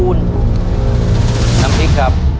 ตัวเลือกที่สี่ชัชวอนโมกศรีครับ